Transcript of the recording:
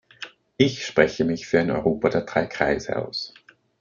Ich spreche mich für ein Europa der drei Kreise aus.